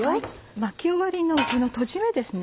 巻き終わりのこのとじ目ですね